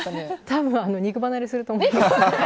多分、肉離れすると思う。